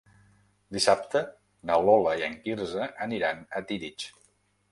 Dissabte na Lola i en Quirze aniran a Tírig.